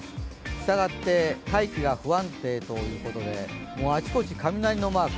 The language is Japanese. したがって大気が不安定ということであちこち雷のマーク。